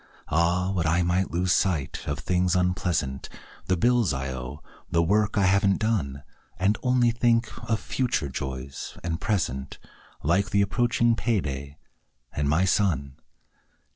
Ah, would I might lose sight of things unpleasant: The bills I owe; the work I haven't done. And only think of future joys and present, Like the approaching payday, and my son.